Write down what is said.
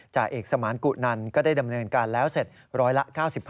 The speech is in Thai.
จ่าเอกสมานกุนันก็ได้ดำเนินการแล้วเสร็จร้อยละ๙๕